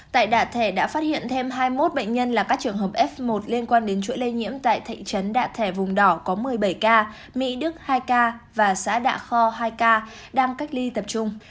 tại đạ thẻ đã phát hiện thêm hai mươi một bệnh nhân là các trường hợp f một liên quan đến chuỗi lây nhiễm tại thị trấn đạ thẻ vùng đỏ có một mươi bảy ca mỹ đức hai ca và xã đạ kho hai ca đang cách ly tập trung